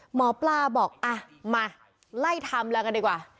หมอปลาบอกอ่ะมาไล่ทำแล้วกันดีกว่า